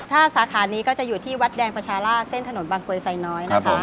ถ้าสาขานี้ก็จะอยู่ที่วัดแดงประชาราชเส้นถนนบางกรวยไซน้อยนะคะ